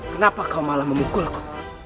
kenapa kau malah memukulku